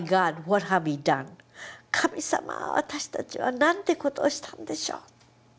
神様私たちはなんてことをしたんでしょう。